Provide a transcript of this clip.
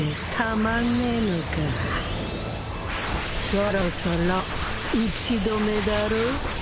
そろそろ打ち止めだろう？